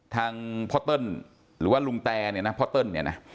ทางพอเติลหรือว่าลุงแต้พอเติล